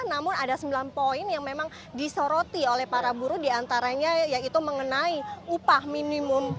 namun ada sembilan poin yang memang disoroti oleh para buruh diantaranya yaitu mengenai upah minimum